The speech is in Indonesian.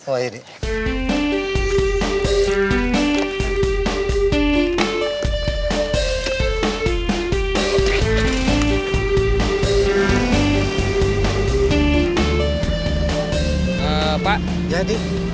oh ya deh